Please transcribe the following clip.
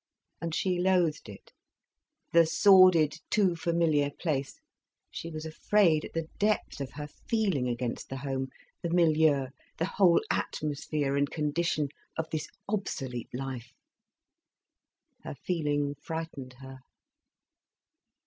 And she loathed it, the sordid, too familiar place! She was afraid at the depth of her feeling against the home, the milieu, the whole atmosphere and condition of this obsolete life. Her feeling frightened her.